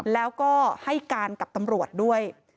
แล้วก็ให้การกับตำรวจด้วย